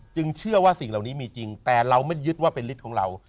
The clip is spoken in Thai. เชื่อว่าสิ่งเหล่านี้มีจริงแต่เราไม่ยึดว่าเป็นฤทธิ์ของเรา